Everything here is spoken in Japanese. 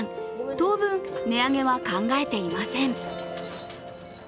当分、値上げは考えていません。